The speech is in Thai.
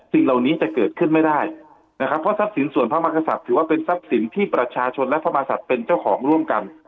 สิ่งเหล่านี้จะเกิดขึ้นไม่ได้นะครับเพราะทรัพย์สินส่วนพระมกษัตริย์ถือว่าเป็นทรัพย์สินที่ประชาชนและพระมศัตริย์เป็นเจ้าของร่วมกัน